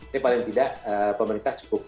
tapi paling tidak pemerintah cukup